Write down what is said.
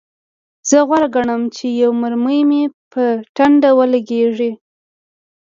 زه غوره ګڼم چې یوه مرمۍ مې په ټنډه ولګیږي